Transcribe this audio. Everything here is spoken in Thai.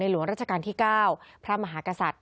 หลวงราชการที่๙พระมหากษัตริย์